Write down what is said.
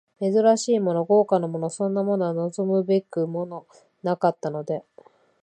珍しいもの、豪華なもの、そんなものは望むべくもなかったので、